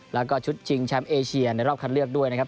แล้วก็ชุดชิงแชมป์เอเชียในรอบคันเลือกด้วยนะครับ